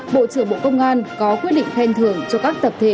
bộ trưởng bộ công an có quyết định khen thưởng cho các tội phạm ma túy